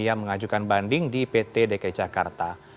yang mengajukan banding di pt dki jakarta